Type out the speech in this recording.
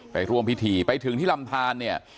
ร่วมพิธีไปถึงที่ลำทานเนี่ย